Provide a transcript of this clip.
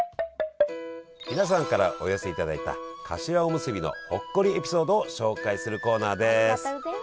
皆さんからお寄せいただいたかしわおむすびのほっこりエピソードを紹介するコーナーです！